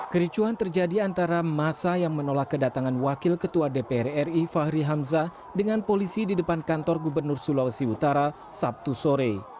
kericuhan terjadi antara masa yang menolak kedatangan wakil ketua dpr ri fahri hamzah dengan polisi di depan kantor gubernur sulawesi utara sabtu sore